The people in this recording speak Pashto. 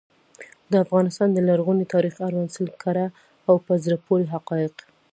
د افغانستان د لرغوني تاریخ اړوند سل کره او په زړه پوري حقایق.